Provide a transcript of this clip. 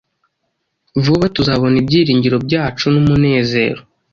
Vuba tuzabona ibyiringiro byacu, numunezero